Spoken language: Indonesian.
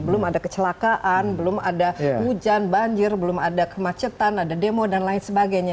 belum ada kecelakaan belum ada hujan banjir belum ada kemacetan ada demo dan lain sebagainya